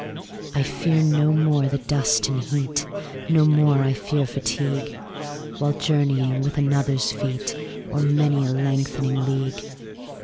I fear no more the dust and heat, 25 No more I fear fatigue, While journeying with another's feet O'er many a lengthening league.